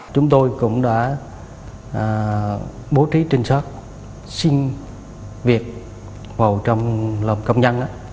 chúng tôi cũng đã bố trí trinh sát xin việc vào trong lòng công nhân